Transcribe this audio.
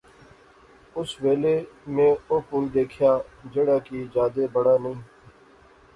اس ویلے میں او پل دکھیا جیہڑا کی جادے بڑا نئیں